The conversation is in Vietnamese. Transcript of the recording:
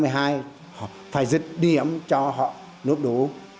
phải dứt điểm cho họ nộp đủ